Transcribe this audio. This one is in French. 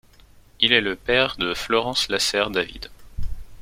Il est le père de Florence Lasserre-David.